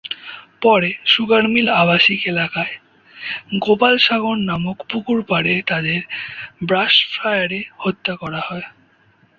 পরে সুগারমিল আবাসিক এলাকায় ‘গোপাল সাগর’ নামক পুকুরপাড়ে তাদের ব্রাশফায়ারে হত্যা করা হয়।